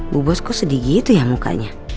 bu bos kok sedih gitu ya mukanya